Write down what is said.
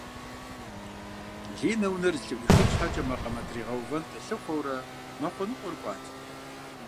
Линэ унэр зэлъыӏуихын щхьэкӏэ макъамэ тригъувэн къилъыхъуэурэ махуэ ныкъуэр кӏуат.